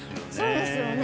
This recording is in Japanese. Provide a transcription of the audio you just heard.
そうですよね